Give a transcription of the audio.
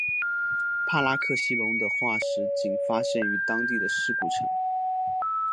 帕拉克西龙的化石仅发现于当地的尸骨层。